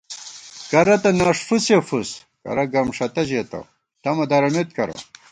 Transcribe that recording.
کرہ تہ نݭ فُسے فُس کرہ گمݭتہ ژېتہ ݪَمہ درَمېت کرہ